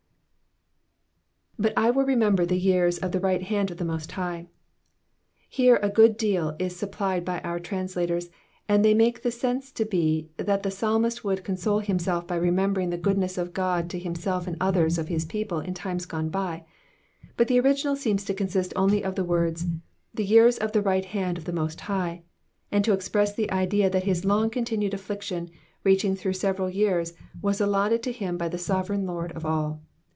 ^*'But I will rememher the years of the right hand of the most High,'*^ Here a good deal is supplied by our translators, and they make the sense to be that the psalmist would console himself by remembering the goodness of God to himself and others of his people in times gone by : but the original seems to consist only of the words, *' the years of the light hand of the most High,'' and to express the idea that his long continued affliction, reaching through several years, was allotted to him by the Sovereign Lord of all.